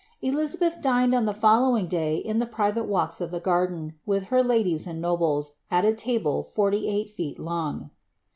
Elizabeth dined on the following day in ilie private walks of the garden, with her ladies and nobles, at a table forty eight feet long.